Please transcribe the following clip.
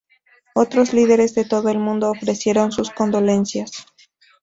Otros líderes de todo el mundo ofrecieron sus condolencias.